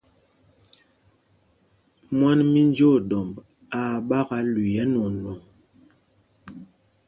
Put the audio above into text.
Mwán mí Njǒɗɔmb aa ɓākā lüii ɛ́nwɔɔnwɔŋ.